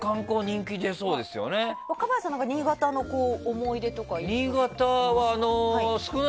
若林さんは新潟の思い出とかありますか？